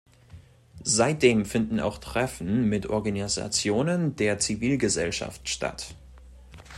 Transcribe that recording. Seitdem finden auch Treffen mit Organisationen der Zivilgesellschaft statt.